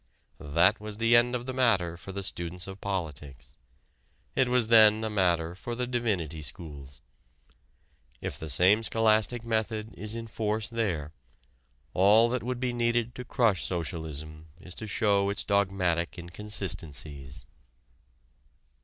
That was the end of the matter for the students of politics. It was then a matter for the divinity schools. If the same scholastic method is in force there, all that would be needed to crush socialism is to show its dogmatic inconsistencies.